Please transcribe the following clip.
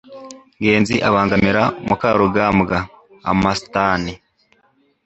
ngenzi abangamira mukarugambwa (amastan